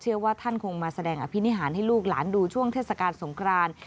ว่าท่านคงมาแสดงอภินิหารให้ลูกหลานดูช่วงเทศกาลสงคราน